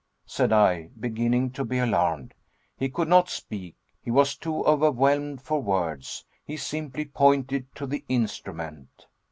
said I, beginning to be alarmed. He could not speak. He was too overwhelmed for words. He simply pointed to the instrument.